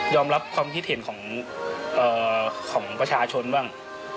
รับความคิดเห็นของประชาชนบ้าง